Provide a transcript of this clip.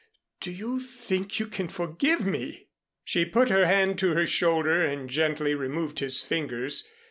Do you think you can forgive me?" She put her hand to her shoulder and gently removed his fingers.